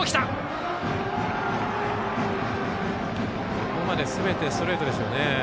ここまですべてストレートですね。